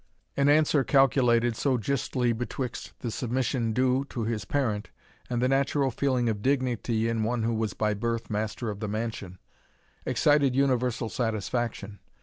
An answer calculated so jistly betwixt the submission due to his parent, and the natural feeling of dignity in one who was by birth master of the mansion, excited universal satisfaction.